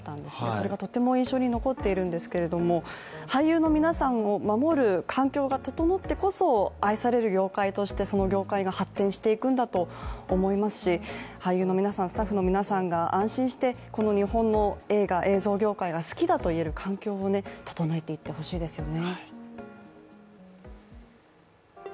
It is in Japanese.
それがとても印象に残っているんですけれども、俳優の皆さんを守る環境が整ってこそ愛される業界としてその業界が発展していくんだと思いますし俳優の皆さん、スタッフの皆さんが安心してこの日本の映画、映像業界が好きだと言える環境を整えていってほしいですよね。